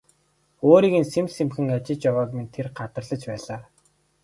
Өөрийг нь сэм сэмхэн ажиж явааг минь тэр гадарлаж байлаа.